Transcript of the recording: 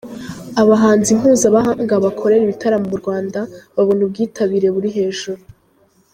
Abahanzi mpuzamahanga bakorera ibitaramo mu Rwanda babano ubwitabire buri hejuru.